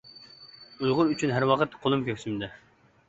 ئۇيغۇر ئۈچۈن ھەر ۋاقىت قۇلۇم كۆكسۈمدە.